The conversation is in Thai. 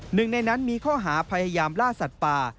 หนึ่งในนั้นมีข้อหาพยายามล่าสัตว์ป่า